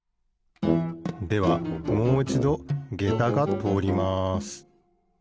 ではもういちどげたがとおります